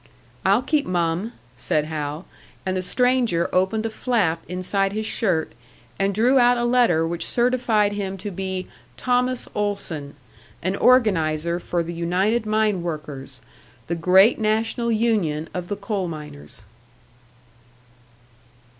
"I'll keep mum," said Hal; and the stranger opened a flap inside his shirt, and drew out a letter which certified him to be Thomas Olson, an organiser for the United Mine Workers, the great national union of the coal miners!